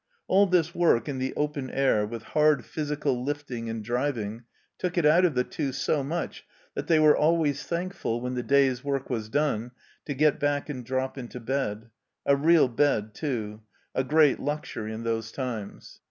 All this work in the open air, with hard physical lifting and driving, took it out of the Two so much that they were always thankful, when the day's work was done, to get back and drop into bed a real bed, too, a great luxury in those times.